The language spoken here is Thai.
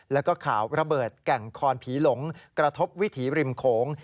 แล้วก็ข่าวระเบิดแก่งคอนผีหลงกระทบวิถีบริมโขง